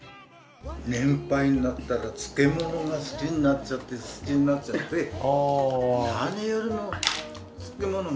年配になったら漬物が好きになっちゃって好きになっちゃって。